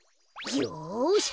よし！